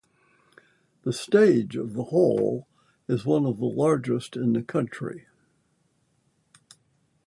The stage of the hall is one of the largest in the country.